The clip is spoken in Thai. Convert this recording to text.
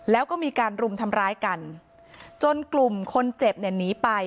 แล้วก็มีการรุมทำร้ายกันจนกลุ่มคนเจ็บเนี่ยหนีไป